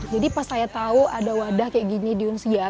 jadi pas saya tahu ada wadah kayak gini di unsia